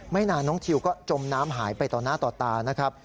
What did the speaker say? นานน้องทิวก็จมน้ำหายไปต่อหน้าต่อตานะครับ